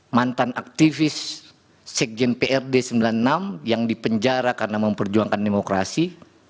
mantan aktivis sekjen prd sembilan puluh enam yang dipenjara karena memperjuangkan demokrasi